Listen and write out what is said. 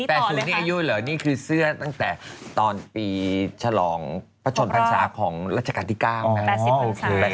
แต่ศูนย์นี้อายุเหรอนี่คือเสื้อตั้งแต่ตอนปีฉลองพระชนพรรษาของรัชกาลที่๙นะฮะ